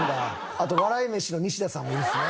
あと笑い飯の西田さんもいいっすね。